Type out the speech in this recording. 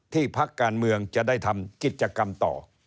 พักการเมืองจะได้ทำกิจกรรมต่อ